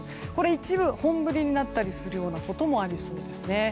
一部本降りになったりすることもありそうですね。